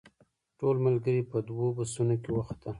ټول ملګري په دوو بسونو کې وختل.